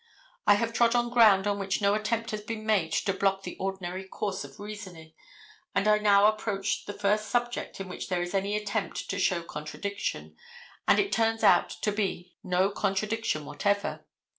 I have trod on ground on which no attempt has been made to block the ordinary course of reasoning, and I now approach the first subject in which there is any attempt to show contradiction, and it turns out to be no contradiction whatever.